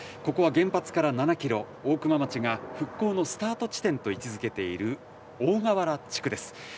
ここは原発から７キロ、大熊町が復興のスタート地点と位置づけている大川原地区です。